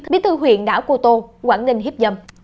bí thư huyện đảo cô tô quảng ninh hiếp dâm